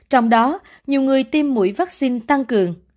sau đó nhiều người tiêm mũi vaccine tăng cường